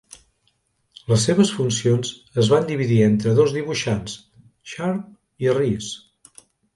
Les seves funcions es van dividir entre dos dibuixants, Charb i Riss.